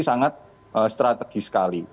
sangat strategis sekali